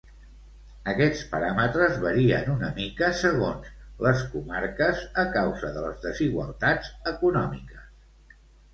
Aquests paràmetres varien una mica segons les comarques, a causa de les desigualtats econòmiques.